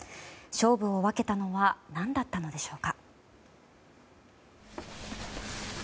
勝負を分けたのは何だったのでしょうか。